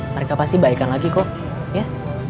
mereka pasti balikan lagi kok ya